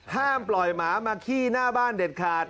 ห้ามปล่อยหมามาขี้หน้าบ้านเด็ดขาด